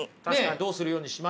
どうするようにしました？